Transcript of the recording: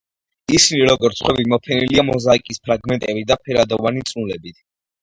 ისინი როგორც სხვები მოფენილია მოზაიკის ფრაგმენტებით და ფერადოვანი წნულებით.